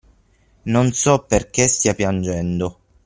Non so perché stia piangendo.